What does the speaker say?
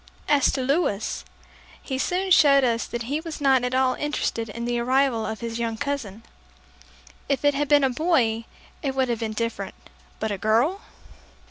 As to Louis, he soon showed us that he was not at all interested in the arrival of his young cousin. If it had been a boy, it would have been different but a girl!